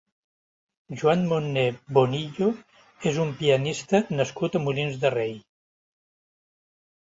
Joan Monné Bonillo és un pianista nascut a Molins de Rei.